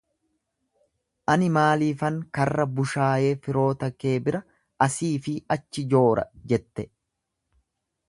Ani maaliifan karra bushaayee firoota kee bira asii fi achi joora? jette.